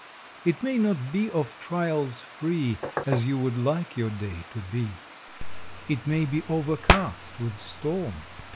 It may not be of trials free As you would like your day to be. It may be overcast with storm.